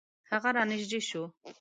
هغه را نژدې شو .